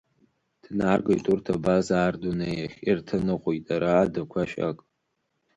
Днаргоит урҭ абазаа рдунеиахь, ирҭаныҟәоит ара адақәа шьак.